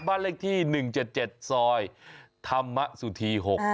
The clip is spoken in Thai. บ้านเลขที่๑๗๗ซอยธรรมสุธี๖